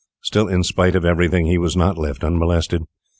Still in spite of everything he was not left unmolested.